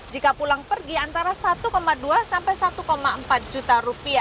jika pulang pergi antara rp satu dua sampai rp satu empat juta